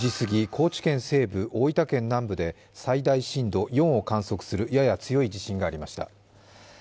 高知県西部、大分県南部で最大震度４を観測するやや強い地震がありました。